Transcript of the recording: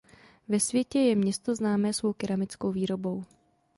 Ve světě je město známé svou keramickou výrobou.